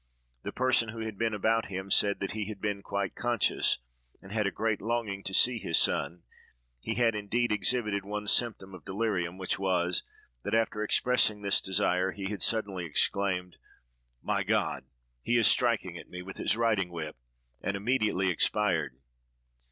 The person who had been about him said that he had been quite conscious, and had a great longing to see his son; he had, indeed, exhibited one symptom of delirium, which was, that after expressing this desire, he had suddenly exclaimed, "My God! he is striking at me with his riding whip!" and immediately expired.